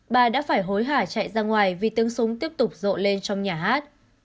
bà đã phải hối hả chạy ra ngoài vì tiếng súng tiếp tục rộ lên trong nhà hát